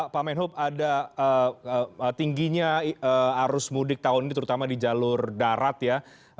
pak menhub ada tingginya arus mudik tahun ini terutama di jalur darat ya